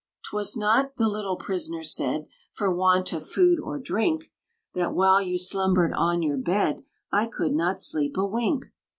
"'T was not," the little prisoner said, "For want of food or drink, That, while you slumbered on your bed, I could not sleep a wink.